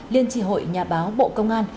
liên tri hội nhà báo bộ công an